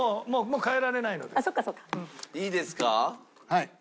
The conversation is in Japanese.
はい。